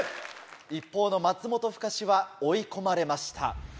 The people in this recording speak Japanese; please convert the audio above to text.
一方の松本深志は追い込まれました。